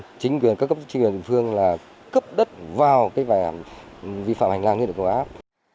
các chính quyền địa phương cấp đất vào vi phạm hành lang lưới điện có áp